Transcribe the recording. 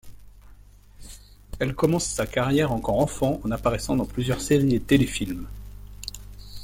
Elle commence sa carrière encore enfant, en apparaissant dans plusieurs séries et téléfilms.